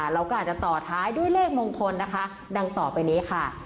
เราก็อาจจะต่อท้ายด้วยเลขมงคลนะคะดังต่อไปนี้ค่ะ